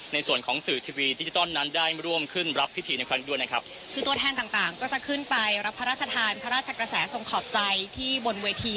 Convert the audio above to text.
ในส่วนของสื่อทีวีดิจิตอลนั้นได้ร่วมขึ้นรับพิธีในครั้งด้วยนะครับคือตัวแทนต่างต่างก็จะขึ้นไปรับพระราชทานพระราชกระแสทรงขอบใจที่บนเวที